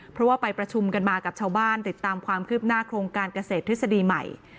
เพราะว่าไปประชุมกันมากับชาวบ้านติดตามความคืบหน้าโครงการเกษตรทฤษฎีใหม่